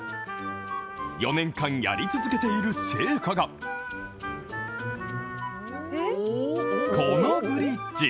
４年間やり続けている成果が、このブリッジ。